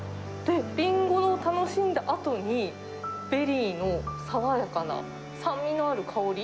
リンゴを楽しんだあとに、ベリーの爽やかな酸味のある香り。